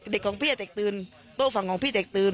เด็กของพี่เด็กตื่นโต๊ะฝั่งของพี่เด็กตื่น